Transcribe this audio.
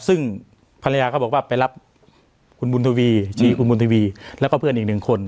ซึ่งภรรยาเขาบอกว่าไปรับคุณบุญทวีชีคุณบุญทวีแล้วก็เพื่อนอีกหนึ่งคน